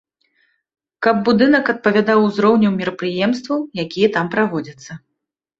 Каб будынак адпавядаў узроўню мерапрыемстваў, якія там праводзяцца.